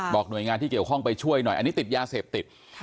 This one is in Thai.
หน่วยงานที่เกี่ยวข้องไปช่วยหน่อยอันนี้ติดยาเสพติด